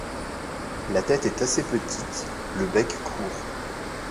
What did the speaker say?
La tête est assez petite, le bec court.